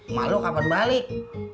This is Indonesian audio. kamu kapan balik